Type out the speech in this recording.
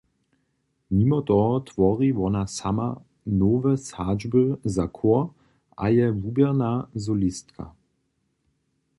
Nimo toho twori wona sama nowe sadźby za chór a je wuběrna solistka.